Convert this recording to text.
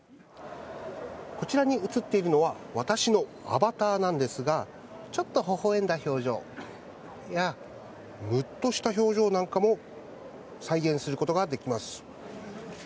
こちらに映っているのは、私のアバターなんですが、ちょっとほほえんだ表情や、むっとした表情なんかも再現することができます。